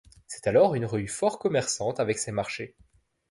C'est alors une rue fort commerçante avec ses marchés.